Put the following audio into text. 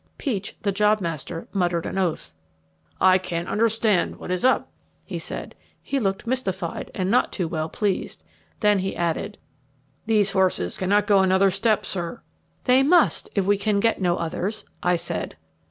Peach, the jobmaster, muttered an oath. "I can't understand what is up," he said. He looked mystified and not too well pleased. Then he added, "These horses can't go another step, sir." "They must if we can get no others," I said.